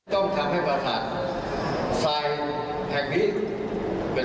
ต้องทำให้ประสาททรายแห่งนี้